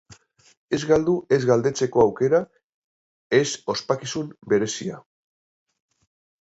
Ez galdu ez galdetzeko aukera ez ospakizun berezia!